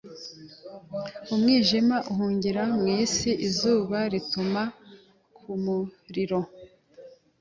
Umwijima uhungira mu nsi Izuba rituma ku muriro